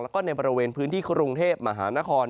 แล้วก็ในบริเวณพื้นที่กรุงเทพมหานคร